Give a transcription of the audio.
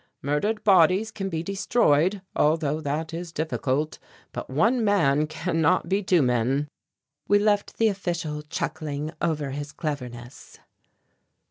Murdered bodies can be destroyed, although that is difficult, but one man cannot be two men!" We left the official chuckling over his cleverness.